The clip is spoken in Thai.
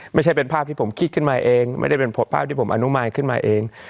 ไม่ใช่เป็นภาพที่ผมคิดขึ้นมาเองไม่ได้เป็นภาพที่ผมอนุมายขึ้นมาเอง